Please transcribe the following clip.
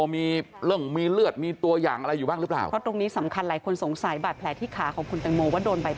มีเรื่องมีเลือดมีตัวอย่างอะไรอยู่บ้างหรือเปล่า